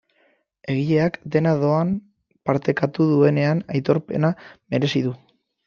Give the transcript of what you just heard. Egileak dena doan partekatu duenean aitorpena merezi du.